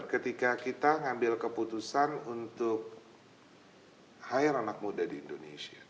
ketika kita ngambil keputusan untuk hire anak muda di indonesia